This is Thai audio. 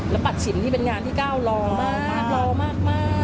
แล้วตัดสินนี่เป็นงานที่ก้าวรอมากรอมาก